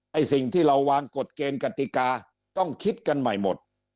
สิ่งที่เราวางกฎเกณฑ์กติกาต้องคิดกันใหม่หมด